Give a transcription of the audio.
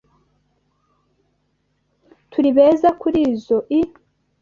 Turi beza kurizoi.